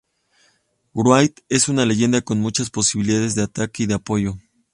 Wraith es una leyenda con muchas posibilidades de ataque y de apoyo.